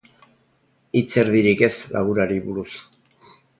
Hitz erdirik ez lagunari buruz.